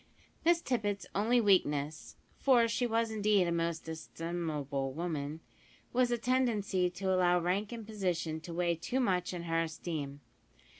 Miss Tippet's only weakness for she was indeed a most estimable woman was a tendency to allow rank and position to weigh too much in her esteem.